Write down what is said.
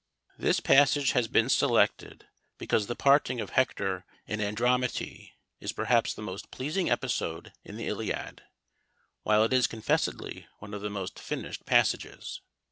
This passage has been selected, because the parting of Hector and Andromache is perhaps the most pleasing episode in the Iliad, while it is confessedly one of the most finished passages.